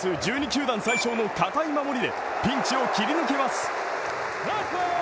球団最小の堅い守りでピンチを切り抜けます。